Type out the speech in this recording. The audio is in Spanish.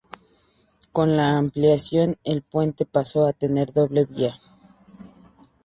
Con la ampliación, el puente pasó a tener doble vía.